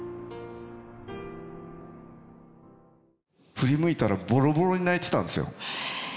振り向いたらボロボロに泣いてたんですよ。